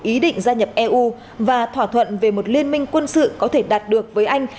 ý định gia nhập eu và thỏa thuận về một liên minh quân sự có thể đạt được với anh